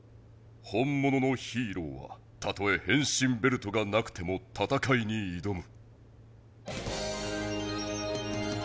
本もののヒーローはたとえへんしんベルトがなくても戦いにいどむ。